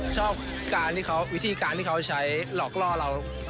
ชอบวิธีการที่เขาใช้หลอกลอเรา